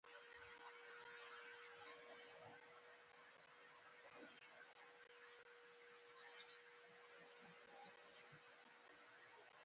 طبیعت مه بربادوه.